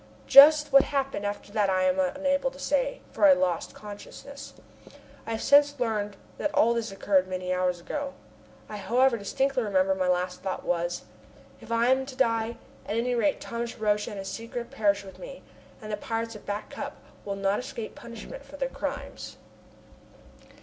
Just what happened after that I am unable to say, for I lost consciousness. I have since learned that all this occurred many hours ago. I however distinctly remember that my last thought was: "If I am to die, at any rate Thomas Roch and his secret perish with me and the pirates of Back Cup will not escape punishment for their crimes."